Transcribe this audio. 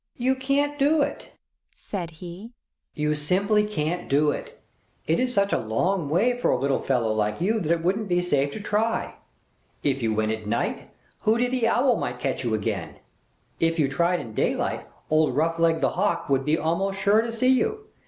"You can't do it," said he. "You simply can't do it. It is such a long way for a little fellow like you that it wouldn't be safe to try. If you went at night, Hooty the Owl might catch you again. If you tried in daylight, old Roughleg the Hawk would be almost sure to see you.